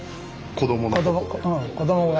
子どもが。